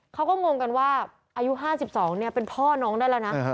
เขาก็งงกันว่าอายุห้าสิบสองเนี้ยเป็นพ่อน้องได้แล้วนะ